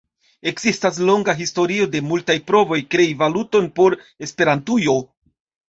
Ekzistas longa historio de multaj provoj krei valuton por Esperantujo.